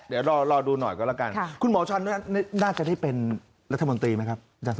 เดี๋ยวรอดูหน่อยก็แล้วกันคุณหมอชันน่าจะได้เป็นรัฐมนตรีไหมครับ